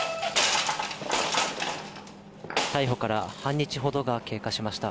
逮捕から半日ほどが経過しました。